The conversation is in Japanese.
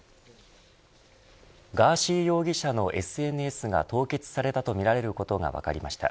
ガーシー容疑者のＳＮＳが凍結されたとみられることが分かりました。